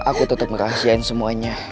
aku tetep ngerahsiain semuanya